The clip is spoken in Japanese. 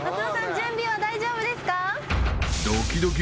準備は大丈夫ですか？